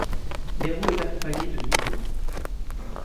Nero est accompagné de Nico.